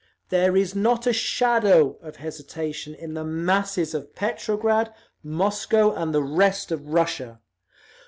There is NOT A SHADOW of hesitation in the MASSES of Petrograd, Moscow, and the rest of Russia….